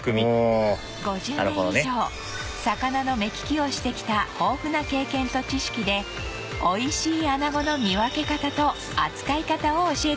５０年以上魚の目利きをしてきた豊富な経験と知識で美味しいアナゴの見分け方と扱い方を教えてもらいます